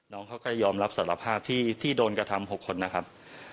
น้องเขาก็ยอมรับสารภาพที่โดนกระทำ๖คนนะครับ